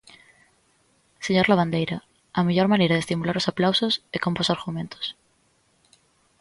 Señor Lavandeira, a mellor maneira de estimular os aplausos é con bos argumentos.